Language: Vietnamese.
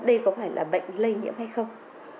đây có phải là bệnh lây nhiễm hay không